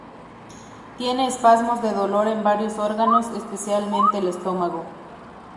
Tiene espasmos de dolor en varios órganos, especialmente el estómago.